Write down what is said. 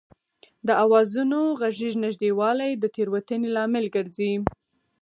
د آوازونو غږیز نږدېوالی د تېروتنې لامل ګرځي